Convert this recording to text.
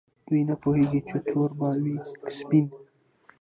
دوی نه پوهیږي چې تور به وي که سپین.